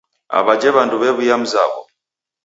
Aw'ajhe w'andu waw'uya mzaw'o.